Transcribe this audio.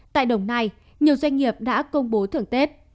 tại đồng nai nhiều doanh nghiệp đã công bố thưởng tết